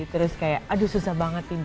terus kayak aduh susah banget ini